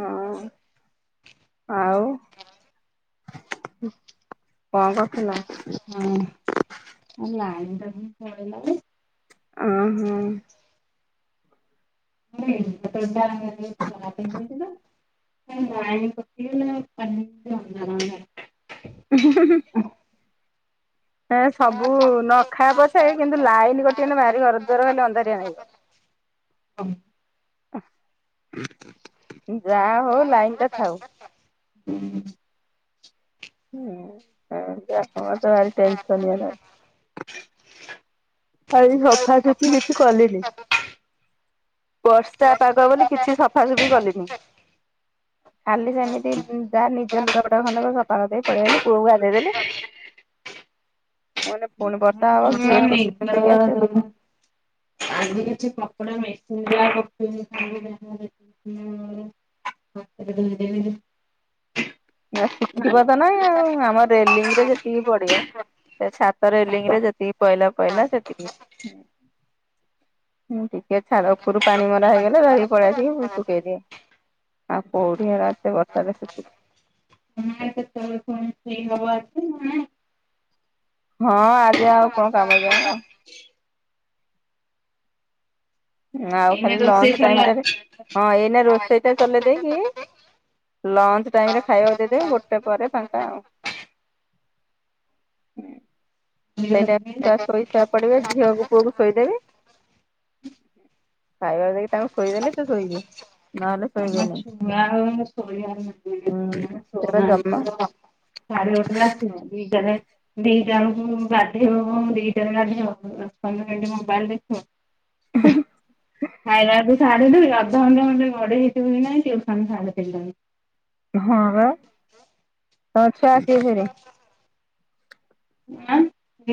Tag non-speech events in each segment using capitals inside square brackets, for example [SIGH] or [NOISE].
ହଁ। ଆଉ କଁ କରୁଥିଲ? ହଁ ଆ ଲାଇନଟାହିଁ ପଳେଇଲାଯେ ଓହୋ। [UNINTELLIGIBLE] କଇଚିନା? ଲାଇନ୍ କଟିଗଲେ ସବୁକିଛି ଅନ୍ଧାର ଅନ୍ଧାର। ଉଁ ହୁ ହୁ ହୁ। ହଁ ସବୁ ନଖାପଛେ କିନ୍ତୁ ଲାଇନ୍ କଟିଗନେ ଭାରି ଘର ଦୁଆର ଖାଲି ଅନ୍ଧାରିଆ ଲାଗିବ। [INAUDIBLE] ଯାହା ହଉ ଲାଇନିଟା ଥାଉ। ହୁଁ। ହୁଁ ସେମିତି ଆତ୍ମାକୁତ ଭାରି ଟେନସନିଆ ଲାଗୁଚି। ଆଜି ସଫାସଫି କିଛି କଲିନି ବର୍ଷା ପାଗ ବୋଲି କିଛି ସଫାସଫି କଲିନି। ଖାଲି ସେମିତି ଯାହା ନିଜ ଲୁଗାପୁଟା ଖଡକ ସପା କରିଦେଇ ପଳେଇଲି ପୁଅକୁ ଗାଧେଇ ଦେଲି ଏଇନା ପୁଣି ବର୍ଷା ହବ କିଏ ତି [UNINTELLIGIBLE] ଆଜି କିଛି କପଡ଼ା ମେସିନ୍ [UNINTELLIGIBLE] ଏବେ ଧୋଇଦେଲିଯେ ଶୁଖିବତ ନାଇଁ ଆଉ ଆମ ରେଲିଙ୍ଗରେ ଯେତିକି ପଡ଼ିବ। ସେ ଛାତରେ ରେଲିଙ୍ଗରେ ଯେତିକି ପଇଲା ପଇଲା ସେତିକି ହୁଁ। ହୁଁ ଟିକେ ଛାଡ଼ ଉପରୁ ପାଣି ମରା ହେଇଗଲା ଧରିକି ପଳେଇ ଆସିକି ଶୁକେଇଦିଏ। ଆଉ କୋଉଠି ହେରା ଏତେ ବର୍ଷାରେ ଶୁକୁଚି। [UNINTELLIGIBLE] ସେଇ ହବ ଆଜି ନା ନାଇଁ ହଁ ଆଜି ଆଉ କଁ କାମକି ଆମର‌ ନାଁ ଆଉ ଏଇନେ ଖାଲି ରୋଷେଇ ଲଞ୍ଚ ସରିଲା ଟାଇମଟାରେ ହଁ ଏଇନା ରୋଷେଇଟା ଚଲେଇ ଦେଇ ଉଁ ଲଞ୍ଚ ଟାଇମରେ ଖାଇବାକୁ ଦେଇଦବି ଗୋଟେ ପରେ ଫାଙ୍କା ଆଉ। ସେଇଟା ଛୁଆ ଶୋଇ ଶୁଆ ପଡ଼ିବେ ଝିଅକୁ ପୁଅକୁ ଶୋଇଦେବି ଖାଇବାକୁ ଦେଇ ତାଙ୍କୁ ଶୋଇଦେଲେ ସେ ଶୋଇବେ ନହେଲେ ଶୋଇବେନି [UNINTELLIGIBLE] [UNINTELLIGIBLE] ହୁଁ ସେରା ଜମା ସାଢ଼େଗୋଟେରେ ଆସୀବ ଦିଇଟାରେ ଦିଟା ବଳକୁ ବାଧିଇବ କଇଁବ ମୁ ଦିଇଟାରେ ଗାଧିଇବ ଦଶ ପନ୍ଦର ମିନିଟ୍ ମୋବାଇଲ୍ ଦେଖିବ [UNINTELLIGIBLE] ଖାଇଲାକୁ ସାଢ଼େ ଦୁଇ ଅଧଘଣ୍ଟେ ଘଣ୍ଟେ ଗଢେଇ ହେଇଥିବୁକି ନାଇଁ ଟ୍ୟୁସନ ଶାଢେ ତିନିଟାରେ। ହଁ ବା ତଛୁଆ ଆସିବେ ଫେରେ। ଆ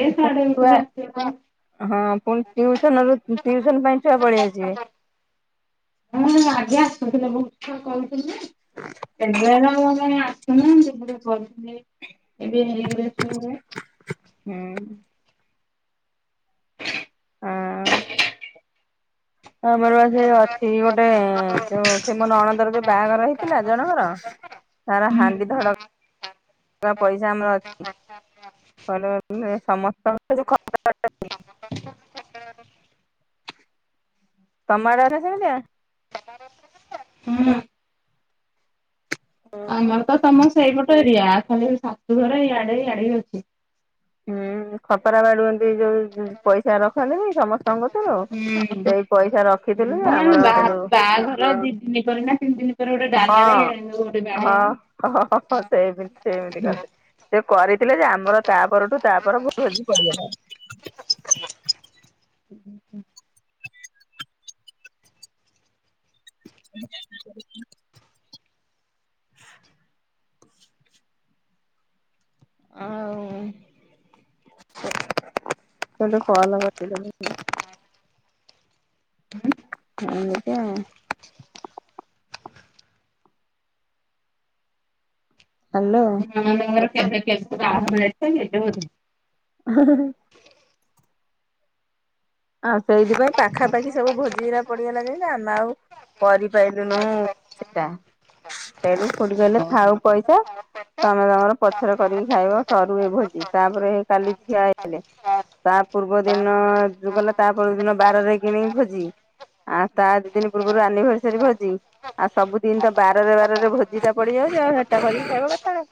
ଏ ପୁଣି ସାଢେ ଛୁଆ ଗୋଟେରେ ଆସିବେପା ହଁ ପୁଣି ଟିଉସନରୁ ଟିଉସନ ପାଇଁ ଛୁଆ ପଳେଇ ଆସିବେ। ହଁ ଆଗେ ଆସୁଥିଲେ ବହୁତ୍ ଛୁଆ କରୁଥିଲିଜେ ଏବେ ଆଉ କାଇଁ ଆସୁନଥିଲେ ଏବେ ହେଇଗ [UNINTELLIGIBLE] ହୁଁ। ଆମର ସେ ଅଛି ଗୋଟେ ଯୋଉ ସେ ମୋ ଅଣନ୍ଦର ଯୋଉ ବାହାଘର ହେଇଥିଲା ଜଣଙ୍କର ତାର ହାଣ୍ଡି ଧଡ ପଇସା ଆମର ଅଛି। ହ [UNINTELLIGIBLE] ସମସ୍ତଙ୍କ ଯୋଉ [UNINTELLIGIBLE] ତମଆଡ଼େ ଏଟା କେମିତିଆ? ହଁ। ଆମର ତ ତମ ସେଇପଟ ଏରିଆ ଖାଲି ଶଶୁଘର ଇଆଡେ ଇଆଡେ ଅଛି। ହୁଁ ଖତରା ବାଡୁନ୍ତି ଯୋଉ ପଇସା ରଖନ୍ତି ବି ସମସ୍ ରଖିଥିଲୁ ଯେ ହଁ ଆମର ବା ଯୋଉ ବାହାଘରଟି [UNINTELLIGIBLE] ହଁ ହଁ ହଁ ସେମତି ସେମିତି କରିଦ ସେ କରିଥିଲେ ଯେ ଆମର ତା ପରଠୁ ତାପ ଭଲ [UNINTELLIGIBLE] ହ ହ ହଁ ଆଉ [UNINTELLIGIBLE] କଲ କରିଦେଲେ। ହୁଁ ହୁଁ ଏଟା। ହ୍ୟାଲୋ [UNINTELLIGIBLE] [UNINTELLIGIBLE] ଆଉ ସେଇଥିପାଇଁ ପାଖାପାଖି ସବୁ ଭୋଜିଗୁରା ପଡି ଗଲା ଯେ ଆମେ ଆଉ କରିପାରଲୁନୁ ସେଟା। ସେ [UNINTELLIGIBLE] କହିଲେ ଥାଉ ପଇସା। ତମେ ତମର ପଛର କରିକି ଖାଇବ ସରୁ ଏ ଭୋଜି ତାପରେ କାଲି ଝିଆ ଆଇ ଥିଲେ। ତା ପୂର୍ବ ଦିନ ଯୋଉ ଗଲା ତାପ ଦିନ ବାରରେ କିଣି ଭୋଜି। ଆଉ ତା ଦି ଦିନ ପୂର୍ବରୁ ଆନିଭରସରି ଭୋଜି। ଆଉ ସବୁ ଦିନ ତ ବାରରେ ବାରରେ ଭୋଜି ଟା ପଡିଯାଉଉଟା ଆଉ ହେଟା କରିକି ଖାଇବ କେତେବେଳେ?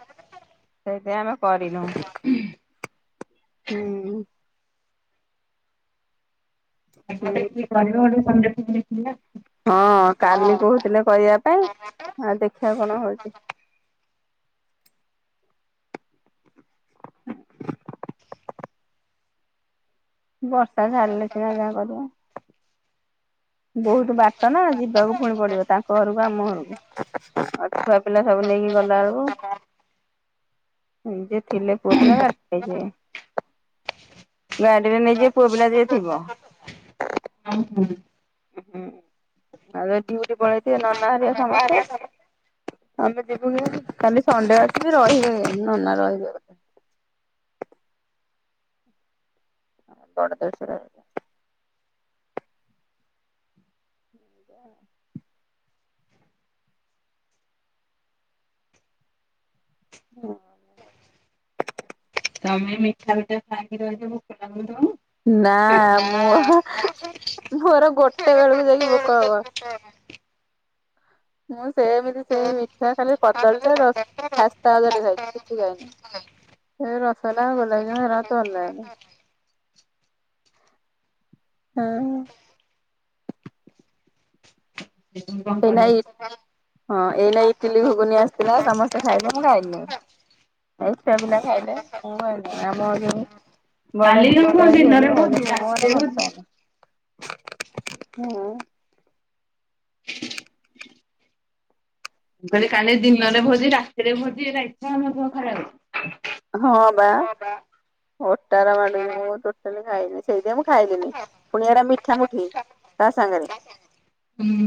ସେଇଥି ଆମେ କରିନୁ। ହୁଁ। ଗୋଟେ ହୁଁ। କରିବ ଗୋଟେ ଦେଖ ହଁ କାଲି [UNINTELLIGIBLE] କହୁଥିଲେ କରିବା ପାଇଁ ଆଉ ଦେଖିବା କଣ ହଉଛି। ବର୍ଷା ଛାଡ଼ିଲେ ସେ ନା ଯାହା କରିବ। ବହୁତ ବାଟ ନା ଯିବାକୁ ପୁଣି ପଡିବ ତାଙ୍କ ଘରକୁ ଆମ ଘରକୁ ଆଉ ଛୁଆ ପିଲା ସବୁ ନେଇକି ଗଲା ଆଳକୁ ଯେ ଥିଲେ ପୁର୍ଣ [UNINTELLIGIBLE] ଗାଡିରେ ନେଇଯିବେ ପୁଅ ପିଲା ଯିଏ ଥିବ। ହଁ ହଁ। ଉ ହୁଁ ଆଉ ଉଠି ପଳେଇଥିବ ନନା ହରିଆ ସମସ୍ତେ। ଆମେ ଯିବୁନି କାଲି ସଣ୍ଡେ ଅଛି ରହିବେ ନନା ରହିବେ। ବଣ ଦସରା। ଆା ହଁ। ତମେ ମିଠା ପିଠା ଖାଇକି ରହିଯିବୁ। [UNINTELLIGIBLE] ନା ମୋ [UNINTELLIGIBLE] ର। ମୋର ଗୋଟେ ବେଳକୁ ଯାଇକି ଭୋକ ହବ। [UNINTELLIGIBLE] ମୁଁ ସେମିତି ସେଇ ମିଠା ଖାଲି କଦଳୀ ଟା ରସ୍‌ ଖାସ୍ତା ଗଜା ଟେ ଖାଇଛି କିଛି ଖାଇନିଁ। ଏ ରସଗୋଲା, ଗୋଲାପୀଜାମ ଏରାକ ତ ଅଲା ଅଲି। ହୁଁ। ସେଇଥିପାଇଁ କଣ ଏଇ କରିବ ନାଇ ହଁ ଏଇନାଇ ଇଟିଲି ଘୁଗୁନି ଆସିଥିଲା ସମସ୍ତେ ଖାଇଲେ ମୁ ଖାଇଲିନି ଆଉ। ଆଉ ଛୁଆ ପିଲା ଖାଇଲେ ଆମର [UNINTELLIGIBLE] [INAUDIBLE] ଭଲ କାଲିର ମୁଁ ଦିନରେ ପାଏନି। ଭୋଜି ରାତିରେ ଭୋଜି। ଅ ମୁଁ କହିଲି କାଲି ଦିନରେ ଭୋଜି ରାତିରେ ଭୋଜି ଏରା ଇଛା ହେଉନଥିବ ଖାଇବାକୁ। ହଁବା। ଓଟାର ମାଡୁଛି। ମୁଁ ଟୋଟାଲି ଖାଇନି ସେଇଥିପାଇଁ ମୁଁ ଖାଇଲିନି। ପୁଣି ଏରା ମିଠାମୁଠି। ତା ସାଙ୍ଗରେ ହୁଁ ମୁଁ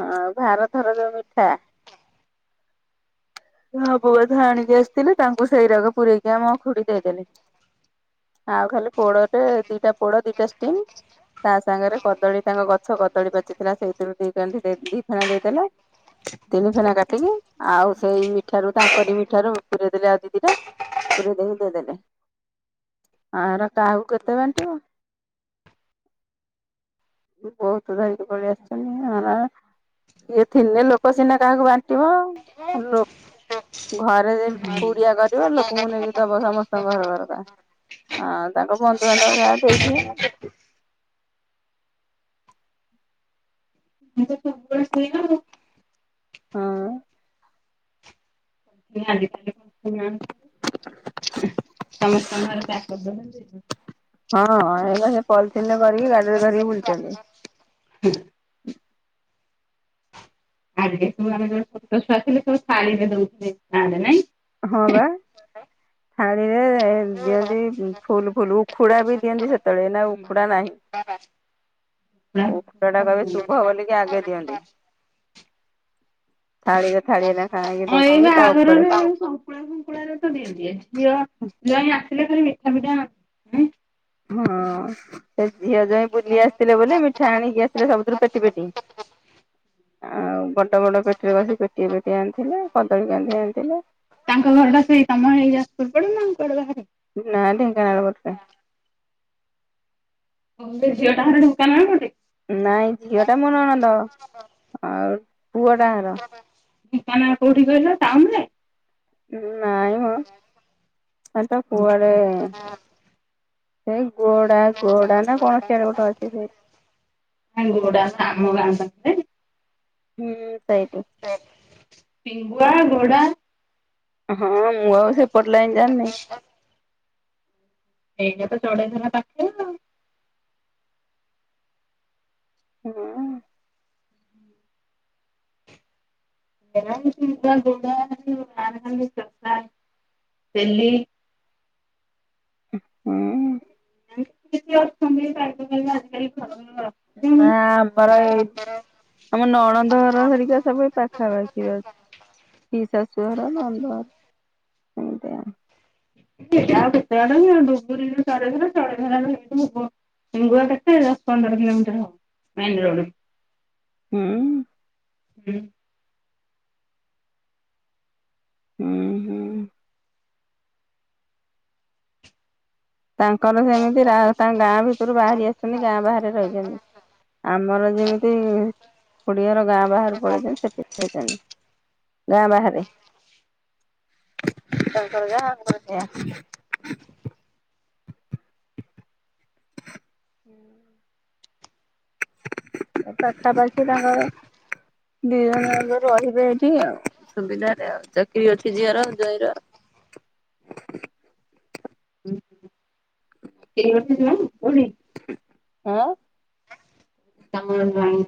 ହଁ, ଭାର ଥୋର ଯୋଉ ମିଠା। ନୂଆ ବୋହୁ ବୋଧେ ଆଣିକି ଆସିଥିଲେ। ତାଙ୍କୁ ଓ ସେଇରାଗ ପୁରରେଇକି ଆମ ଖୁଡି ଦେଇଦେଲେ। ଆଉ ଖାଲି ପୋଡ଼ରେ ଦିଟା ପୋଡ ଦିଟା ଷ୍ଟିମ୍ ତା ସାଙ୍ଗରେ କଦଳୀ ତାଙ୍କ ଗଛ କଦଳୀ ପାଚିଥିଲା ସେଇଥିରୁ ଦି କାନ୍ଦି ଦି ଫେଣା ଦେଇଦେଲେ। ତିନି ଫେଣା କାଟିକି ଆଉ ସେଇ ମିଠାରୁ ତାଙ୍କରି ମିଠାରୁ ପୁରେଇ ଦେଲି ଆଉ ଦି ଦିଟା ପୁରେଇ ଦେଇକି ଦେଇଦେଲେ ଆର କାହାକୁ କେତେ ବାଣ୍ଟିବ। ତୁ ବହୁତ ଧରିକି ପଳେଇ ଆସିଛନ୍ତି ଆରା। କିଏ ଥିଲେ ଲୋକ ସିନା କାହାକୁ ବାଣ୍ଟିବ। ଲୋକ୍ ଘରେ ଯାଇ ପୁଡିଆ କରିବ ଲୋକଙ୍କୁ ନେଇକି ଦବ ସମସ୍ତଙ୍କ ଘର ଘରକା। ହଁ ତାଙ୍କ ବନ୍ଧୁବାନ୍ଧବ ଯାହା ଦେଇଥିବେ। [UNINTELLIGIBLE] ହଁ। [UNINTELLIGIBLE] [UNINTELLIGIBLE] ସମସ୍ତଙ୍କର ପ୍ୟାକ କରି ଦେବେ [UNINTELLIGIBLE] ହଁ ଏଡ଼ା ସବୁ ପଲିଥିନ୍ କରିକି ଗାଡିରେ ଧରିକି ବୁଲୁଛନ୍ତି। ହୁଁ। ଆଘେ ଆମେ ସବୁ ଜୋଠେ [UNINTELLIGIBLE] ଶାଢ଼ୀ ଟେ ଦଉଥିଲେ [UNINTELLIGIBLE] ନାଇଁ। ହଁ ବା। ଥାଳିରେ ଦିଅନ୍ତି ଫୁଲ୍ ଫୁଲ୍ ଉଖୁଡା ବି ଦିଅନ୍ତି ସେତେବେଳେ। ଏଇନା ଉଖୁଡା ନାହିଁ। ବା ବା। ଉଖୁଡାଟା କହିବେ ଶୁଭ ବୋଲି କି ଆଗେ ଦିଅନ୍ତି। ଥାଳିରେ ଥାଳିଏ ଲେଖା ଆଣିକି ଦଉ ତାଙ୍କର ହେଲେ [UNINTELLIGIBLE] ଶଙ୍କୁଳା ଶୁଙ୍କୁଳା ରେତ ଦିଅନ୍ତି। ଝିଅ ଜ୍ୱାଇଁ ଆସିଲେ ଖାଲି ମିଠା ମିଠା ହଁ। ସେ ଝିଅ ଜ୍ୱାଇଁ ବୁଲି ଆସିଥିଲେ ବୋଲି ମିଠା ଆଣିକି ଆସିଥିଲେ ସବୁଥିରୁ ପେଟି ପେଟି। ଆଉ ବଡ ବଡ ପେଟିରେ ବଶି ପେଟିଏ ପେଟିଏ ଆଣିଥିଲେ। କଦଳୀ କାନ୍ଧି ଆଣିଥିଲେ। ତାଙ୍କ ଘରଟା ସେଇ ତମର ଏରିଆର ପୂର୍ବରୁ ନା କୁଆଡେ ବାହାରେ। ନାଁ ଢେଙ୍କାନାଳ ପଟେ। ହେଲେ ଝିଅଟା ଘର ଢେଙ୍କାନାଳ ପଟେ। ନାଇଁ ଝିଅଟା ମୋ ନଣନ୍ଦ ଆଉ ପୁଅ ଟା ଘର। ଢେଙ୍କାନାଳ କୋଉଠି କହିଲ ଟାଉନ୍ ରେ। ନାଇଁ ମ ସେଟା କୁଆଡେ ସେ ଗୋଡା-ଗୋଡା ନା କଣ ସିଆଡେ ଗୋଟେ ଅଛି ସେ ଏ ଗୋଡା ବା ଆମ ଗାଁ ପାଖେରେ। ହୁଁ ସେଇଟି। ପିଙ୍ଗୁଆ, ଗୋଡ଼ା ହଁ, ମୁଁ ଆଉ ସେପଟ୍ ଲାଇନ୍ ଜାଣିନି। ଏଇଟା ତ ଚଢେଇଧରା ପାଖେରେ। ହୁଁ। [UNINTELLIGIBLE] ହୁଁ। [UNINTELLIGIBLE] [UNINTELLIGIBLE] ନା ଆମର ଆଉ ଏଇ ଆମ ନଣଦ ଘର ହେରିକା ସବୁ ଏ ପାଖାପାଖି ଅଛି। ପିଇ ଶାଶୁ ଘର ନଣଦ ଘର ଏମ୍ତି ଆଉ। ସେ ଆଉ କେତେ ବାଟ କି [UNINTELLIGIBLE] ହିଙ୍ଗୁଆ କେତେ ଦଶ୍ ପନ୍ଦର କିିଲୋମିଟର୍ ହବ ମେନ୍ ରୋଡ୍ [UNINTELLIGIBLE] ହୁଁ। ଉଁ ହୁଁ-ହୁଁ ତାଙ୍କର ସେମିତି ରା ତାଙ୍କ ଗାଁ ଭିତୁରୁ ବାହାରି ଆସିଚନ୍ତି ଗାଁ ବାହାରେ ରହିଚନ୍ତି। ଆମର ଯେମିତି ଖୁଡିଘର ଗାଁ ବାହାରୁକୁ ପଳେଇଚନ୍ତି ସେଠି [UNINTELLIGIBLE] ଗାଁ ବାହାରେ ହୁଁ ପାଖାପାଖି ତାଙ୍କର ଦି ଜଣ ଯାଙ୍କ ରହିବେ ଏଇଠି ଆଉ। ସୁବିଧାରେ ଆଉ ଚାକିରି ଅଛି ଝିଅର ଜୋଇଁ ର। [UNINTELLIGIBLE] ଜ୍ୱାଇଁ କୋଉଠି? [UNINTELLIGIBLE] ତାଙ୍କ ଜ୍ୱାଇଁ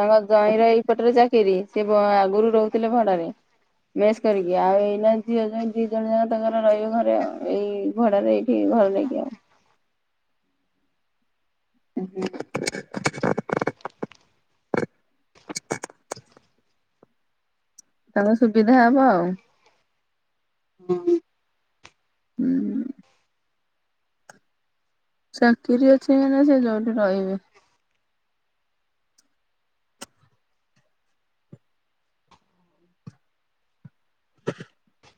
ତାଙ୍କ ଜୋଇଁର ଏଇପଟରେ ଚାକିରି ସେ ବ ଆଗୁରୁ ରହୁଥିଲେ ଭଡାରେ। ମେସ୍ କରିକି ଆଉ ଏଇନା ଝିଅ ଜୋଇଁ ଦି ଜଣ ଯାକ ତାଙ୍କର ରହିବେ ଘରେ ଆଉ, ଏଇ ଭଡାରେ ଏଇ ଠି ଘର ନେଇକି ଆଉ। ଉଁ ହୁଁ [INAUDIBLE] ତଙ୍କ ସୁବିଧା ହବ ଆଉ। ହୁଁ। ଚାକିରି ଅଛି ମାନେ ସେ ଯୋଉଠି ରହିବେ। [UNINTELLIGIBLE]